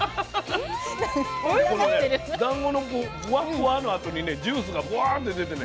このねだんごのフワッフワのあとにねジュースがブワッて出てね